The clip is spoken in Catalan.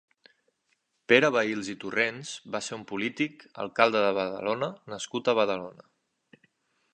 Pere Vehils i Torrents va ser un polític, alcalde de Badalona nascut a Badalona.